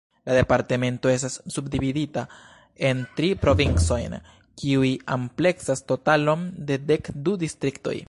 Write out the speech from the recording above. La departemento estas subdividita en tri provincojn, kiuj ampleksas totalon de dek du distriktoj.